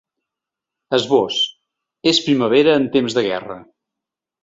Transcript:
Esbós: És primavera en temps de guerra.